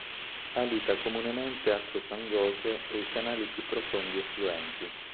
Abita comunemente acque fangose e i canali più profondi e fluenti.